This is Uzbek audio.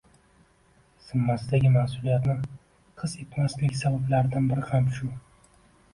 zimmasidagi mas’uliyatni his etmasligi sabablaridan biri ham shu.